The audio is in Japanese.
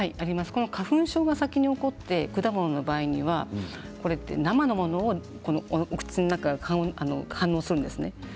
花粉症が先に起こって果物の場合には生のものは、お口の中反応するんです。